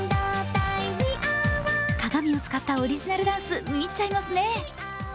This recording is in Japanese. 鏡を使ったオリジナルダンス見入っちゃいますね。